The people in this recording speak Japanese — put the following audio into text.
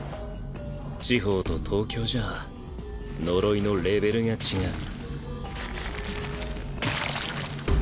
地方と東京じゃ呪いのレベルが違う。